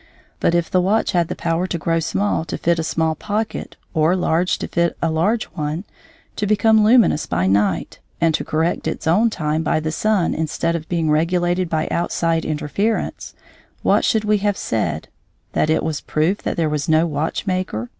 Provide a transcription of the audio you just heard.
But if the watch had the power to grow small to fit a small pocket, or large to fit a large one, to become luminous by night, and to correct its own time by the sun instead of being regulated by outside interference, what should we have said that it was proof there was no watchmaker?